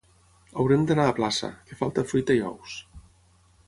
Haurem d'anar a plaça, que falta fruita i ous.